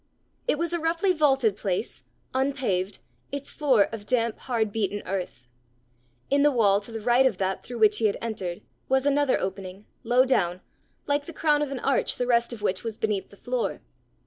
It was a roughly vaulted place, unpaved, its floor of damp hard beaten earth. In the wall to the right of that through which he had entered, was another opening, low down, like the crown of an arch the rest of which was beneath the floor.